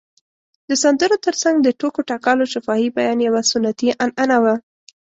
د سندرو تر څنګ د ټوکو ټکالو شفاهي بیان یوه سنتي عنعنه وه.